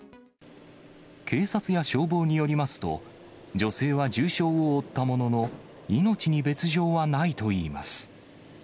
警察や消防によりますと、女性は重傷を負ったものの、命に別状はないといいます。